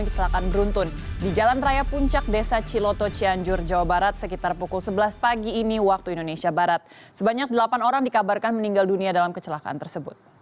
cnn indonesia breaking news